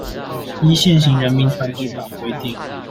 依現行人民團體法規定